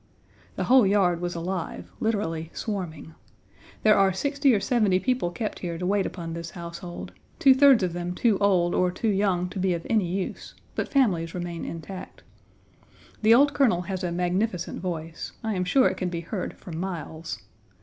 The whole yard was alive, literally swarming. There are sixty or seventy people kept here to wait upon this household, two thirds of them too old or too young to be of any use, but families remain intact. The old Colonel has a magnificent voice. I am sure it can be heard for miles.